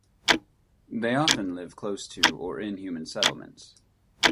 They often live close to or in human settlements.